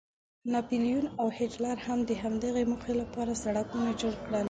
ناپلیون او هیټلر هم د همدغې موخې لپاره سړکونه جوړ کړل.